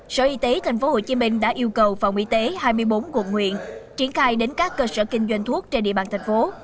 sở y tế tp hcm đã yêu cầu phòng y tế hai mươi bốn quận huyện triển khai đến các cơ sở kinh doanh thuốc trên địa bàn thành phố